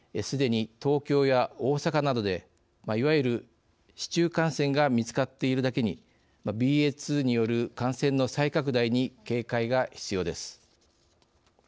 すでに東京や大阪などでいわゆる市中感染が見つかっているだけにＢＡ．２による感染の再拡大に警戒が必要です。